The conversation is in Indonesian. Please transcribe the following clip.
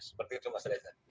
seperti itu mas reza